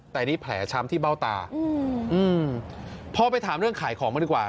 แต่นี่แผลช้ำที่เบ้าตาอืมพอไปถามเรื่องขายของมันดีกว่า